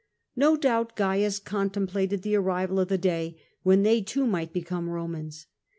No doubt Oaius contemplated the arrival of the day when they too might become Romans.